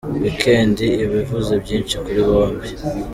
Weekend’ iba ivuze byinshi kuri bombi.